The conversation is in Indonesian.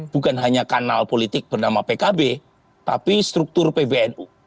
bukan hanya kanal politik bernama pkb tapi struktur pbnu